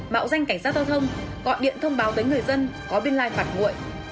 mạo danh cảnh sát giao thông gọi điện thông báo tới người dân có biên lai phạt nguội